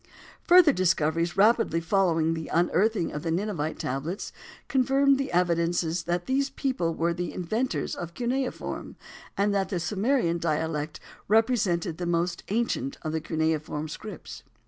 Further discoveries rapidly following the unearthing of the Ninevite tablets, confirmed the evidences that these people were the inventors of cuneiform, and that the Sumerian dialect represented the most ancient of the cuneiform scripts.